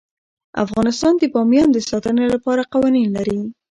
افغانستان د بامیان د ساتنې لپاره قوانین لري.